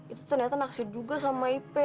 itu ternyata naksi juga sama ipe